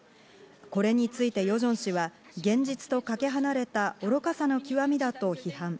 これについてヨジョン氏は現実とかけ離れた愚かさの極みだと批判。